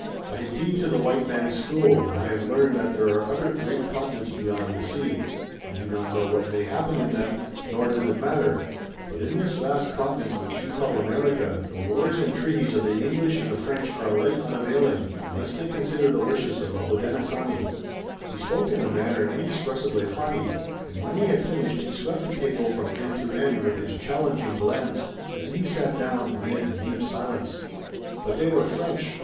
I have been to the white man's school and I have learned that there are other great continents beyond the sea. I do not know what may happen in them, nor does it matter, but in this vast continent which you call America the wars and treaties of the English and the French are alike unavailing, unless they consider the wishes of the Hodenosaunee." He spoke in a manner inexpressibly haughty, and when he had finished he swept the table from end to end with his challenging glance, then he sat down amid a deep silence. But they were French.